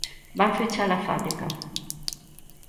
Van fechar a fábrica.